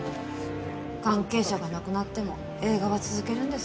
関係者が亡くなっても映画は続けるんですね。